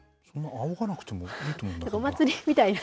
あおがなくてもいいと思うんだけどな。